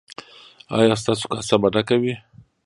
ایا ستاسو کاسه به ډکه وي؟